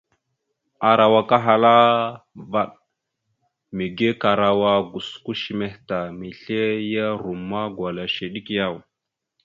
Arawak ahala vvaɗ : mege karawa gosko shəmeh ta, amesle ya romma gwala shew ɗek yaw ?